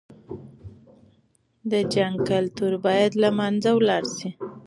د جنګ کلتور بايد له منځه لاړ شي.